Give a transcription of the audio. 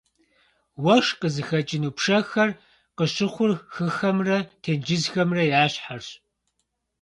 Уэшх къызыхэкӏыну пшэхэр къыщыхъур хыхэмрэ тенджызхэмрэ я щхьэрщ.